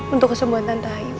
untuk kesembuhan tante ayu